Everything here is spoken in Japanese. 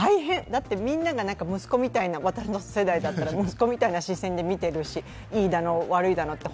だってみんなが息子みたいな私の世代だったら息子みたいな視線で見てるし、いいだの悪いだのって